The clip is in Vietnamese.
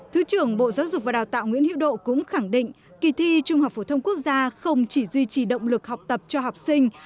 thứ trưởng bộ giáo dục và đào tạo nguyễn hữu độ cũng khẳng định kỳ thi trung học phổ thông quốc gia không chỉ duy trì động lực học tập cho học sinh